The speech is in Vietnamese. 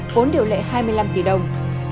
vốn điều lệ hai mươi năm tỷ đồng